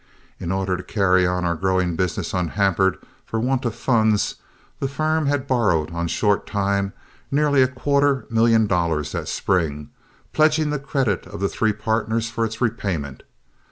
In order to carry on our growing business unhampered for want of funds, the firm had borrowed on short time nearly a quarter million dollars that spring, pledging the credit of the three partners for its repayment.